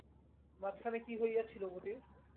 মাঝখানে কী হইয়াছিল মতির?